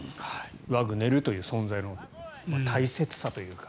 ワグネルという存在の大切さというか。